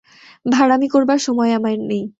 ভাঁড়ামি করবার সময় আমার নেই।